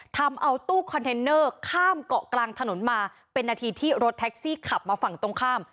ทำเอาตู้คอนเทนเนอร์ข้ามเกาะกลางถนนมาเป็นนาทีที่รถแท็กซี่ขับมาฝั่งตรงข้าม